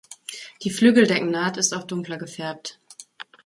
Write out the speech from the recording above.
Die Flügeldeckennaht ist oft dunkler gefärbt.